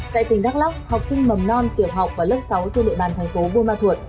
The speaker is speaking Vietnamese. tại tỉnh đắk lóc học sinh mầm non tiểu học và lớp sáu trên địa bàn thành phố buôn ma thuột